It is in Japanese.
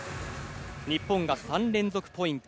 日本が３連続ポイント。